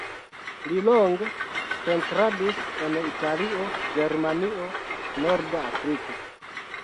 Li longe pentradis en Italio, Germanio, Norda Afriko.